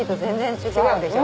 違うでしょ？